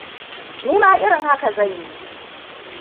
Ni ma irin haka zan yi.